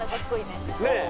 ねえ。